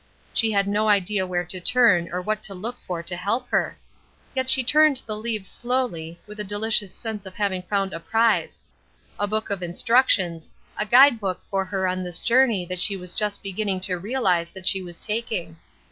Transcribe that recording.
She had no idea where to turn or what to look for to help her. Yet she turned the leaves slowly, with a delicious sense of having found a prize a book of instructions, a guide book for her on this journey that she was just beginning to realize that she was taking.